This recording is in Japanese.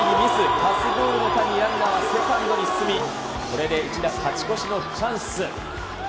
パスボールの間にランナーはセカンドに進み、これ、一打勝ち越しのチャンス。